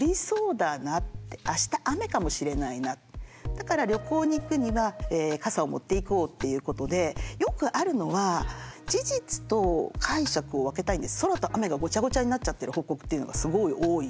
だから旅行に行くには傘を持っていこうっていうことでよくあるのはソラとアメがごちゃごちゃになっちゃってる報告というのがすごい多い。